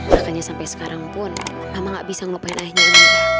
makanya sampai sekarang pun mama tidak bisa melupakan ayahnya amirah